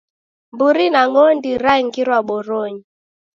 Mburi na ng'ondi rangirwa boronyi